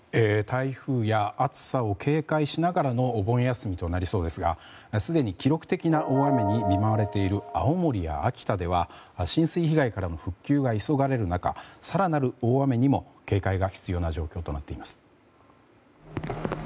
台風や暑さを警戒しながらのお盆休みとなりそうですがすでに記録的な大雨に見舞われている青森や秋田では浸水被害からの復旧が急がれる中更なる大雨にも警戒が必要な状況となっています。